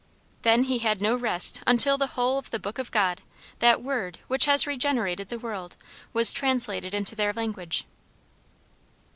Then he had no rest until the whole of the Book of God, that "Word" which has regenerated the world, was translated into their language.